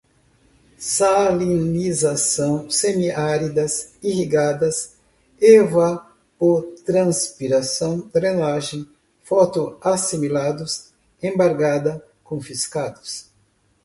salinização, semi-áridas, irrigadas, evapotranspiração, drenagem, fotoassimilados, embargada, confiscados